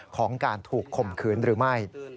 ของการถูกข่มขืนหรือไม่